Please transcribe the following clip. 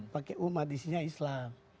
pakai umat isinya islam